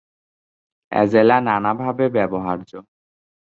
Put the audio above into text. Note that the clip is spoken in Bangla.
অ্যাজেলা নানাভাবে ব্যবহার্য।